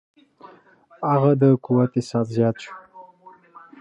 هغه د قوت احساس زیات شو.